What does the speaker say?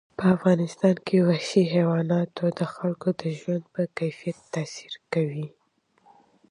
په افغانستان کې وحشي حیوانات د خلکو د ژوند په کیفیت تاثیر کوي.